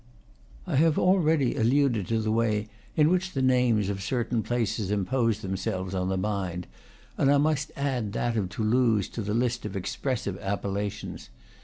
I have already alluded to the way in which the names of certain places impose themselves on the mind, and I must add that of Toulouse to the list of expressive appellations.